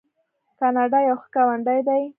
کاناډا یو ښه ګاونډی دی.